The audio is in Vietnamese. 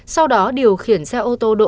sau đó điều khiển xe ô tô đỗ